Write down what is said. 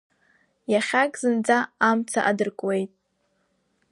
Иахьак зынӡа амца адыркуеит.